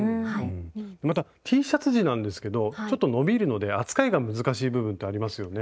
またＴシャツ地なんですけどちょっと伸びるので扱いが難しい部分ってありますよね？